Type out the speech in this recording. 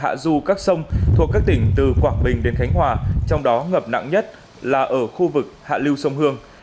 hạ du các sông thuộc các tỉnh từ quảng bình đến khánh hòa trong đó ngập nặng nhất là ở khu vực hạ lưu sông hương